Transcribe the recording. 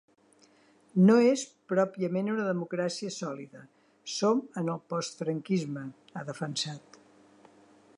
No és pròpiament una democràcia sòlida, som en el postfranquisme, ha defensat.